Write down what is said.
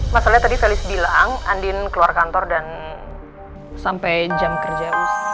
masalahnya tadi felis bilang andin keluar kantor dan sampai jam kerja